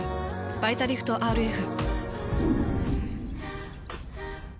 「バイタリフトＲＦ」。